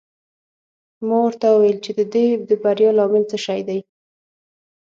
ما ورته وویل چې د دې د بریا لامل څه شی دی.